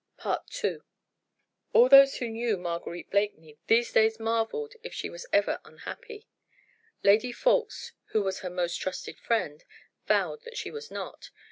II All those who knew Marguerite Blakeney these days marvelled if she was ever unhappy. Lady Ffoulkes, who was her most trusted friend, vowed that she was not.